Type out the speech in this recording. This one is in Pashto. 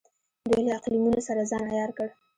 دوی له اقلیمونو سره ځان عیار کړ.